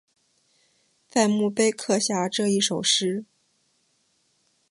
在墓碑刻下这一首诗